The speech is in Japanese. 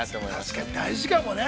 ◆確かに大事かもね。